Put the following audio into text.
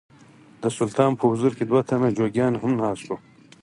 د سلطان په حضور کې دوه تنه جوګیان هم ناست وو.